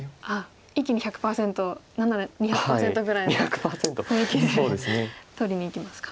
一気に１００％何なら２００％ぐらいの雰囲気で取りにいきますか。